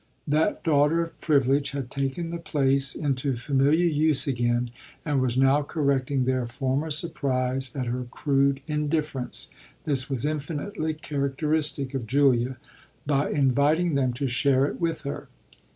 That daughter of privilege had taken the place into familiar use again and was now correcting their former surprise at her crude indifference this was infinitely characteristic of Julia by inviting them to share it with her.